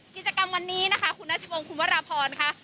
กิจกรรมวันนี้นะคะคุณนัชพงศ์คุณวรพรค่ะ